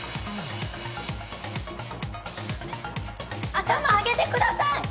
頭上げてください。